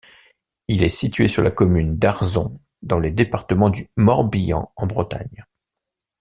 Il est situé sur la commune d'Arzon, dans le département du Morbihan en Bretagne.